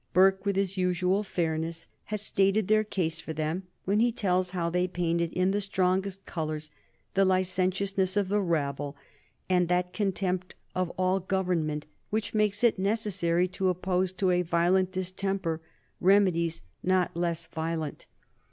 Burke, with his usual fairness, has stated their case for them when he tells how they painted in the strongest colors the licentiousness of the rabble and that contempt of all government which makes it necessary to oppose to a violent distemper remedies not less violent.